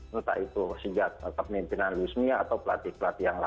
entah itu sejak pemimpinan luismia ataupun